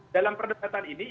dalam perdebatan ini